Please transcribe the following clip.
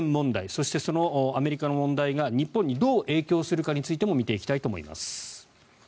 そして、そのアメリカの問題が日本にどう影響するかについても見ていきたいと思います。